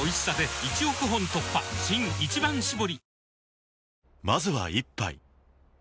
新「一番搾り」